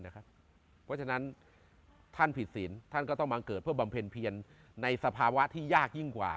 เพราะฉะนั้นท่านผิดศีลท่านก็ต้องบังเกิดเพื่อบำเพ็ญเพียรในสภาวะที่ยากยิ่งกว่า